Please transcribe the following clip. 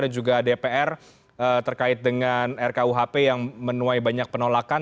dan juga dpr terkait dengan rkuhp yang menuai banyak penolakan